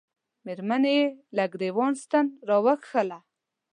مېرمنې یې له ګرېوان ستن را وکښله.